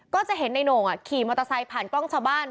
ก็จะเห็นในโหน่งขี่มอเตอร์ไซค์ผ่านกล้องชาวบ้าน